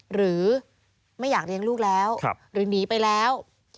หรือไม่อยากเลี้ยงลูกแล้วหรือหนีไปแล้ว